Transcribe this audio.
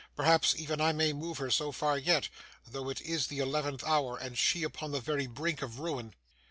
Perhaps even I may move her so far yet, though it is the eleventh hour, and she upon the very brink of ruin.